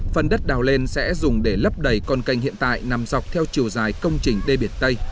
phần đất đào lên sẽ dùng để lấp đầy con canh hiện tại nằm dọc theo chiều dài công trình đê biển tây